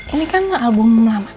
ini kan album lama